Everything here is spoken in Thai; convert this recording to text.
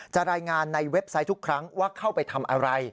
รายงานในเว็บไซต์ทุกครั้งว่าเข้าไปทำอะไร